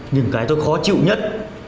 nhưng cái tôi khó chịu nhất